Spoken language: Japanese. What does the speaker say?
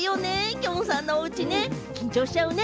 きょんさんのおうちね、緊張しちゃうね。